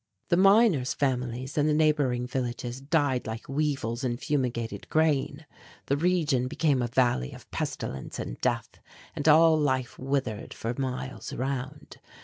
The miners' families in the neighbouring villages died like weevils in fumigated grain. The region became a valley of pestilence and death, and all life withered for miles around.